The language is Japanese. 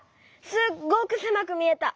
すっごくせまくみえた。